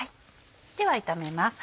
では炒めます。